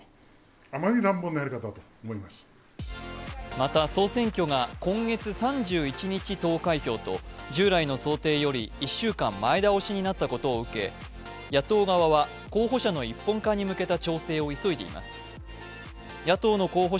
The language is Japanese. また、総選挙が今月３１日投開票と従来の想定より１週間前倒しになったことを受け野党側は候補者の一本化に向けた調整を急いでいます。